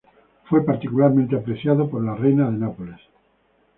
Fue particularmente apreciado por la reina de Nápoles.